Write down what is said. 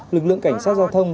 lực lượng cảnh sát giao thông